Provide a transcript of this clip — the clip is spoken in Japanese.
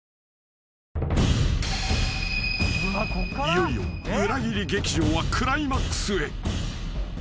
［いよいよ裏切り劇場はクライマックスへ］